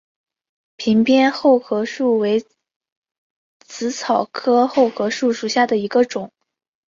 屏边厚壳树为紫草科厚壳树属下的一个种。